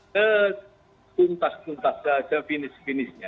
ke tuntas tuntasnya ke finish finishnya